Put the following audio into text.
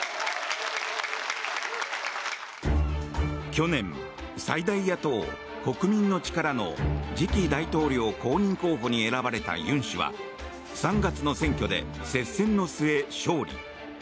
去年、最大野党・国民の力の次期大統領公認候補に選ばれた尹氏は３月の選挙で接戦の末、勝利。